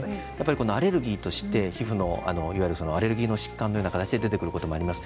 アレルギーとして皮膚のアレルギー疾患のような形で出てくることもあります。